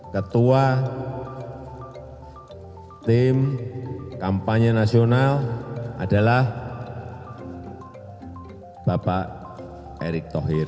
ketua tim kampanye nasional adalah bapak erick thohir